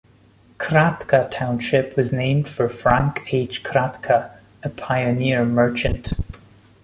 Kratka Township was named for Frank H. Kratka, a pioneer merchant.